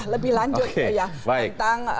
lebih lanjut tentang